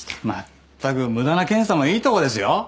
まったく無駄な検査もいいとこですよ。